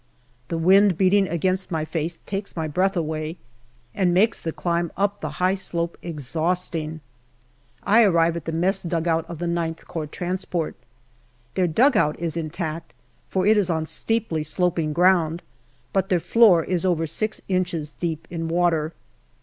The wind beating against my face takes my breath away, and makes the climb up the high slope exhausting. I arrive at the mess dugout of the IX Corps Transport. Their dugout is intact, for it is on steeply sloping ground, but their floor is over 6 inches deep in water.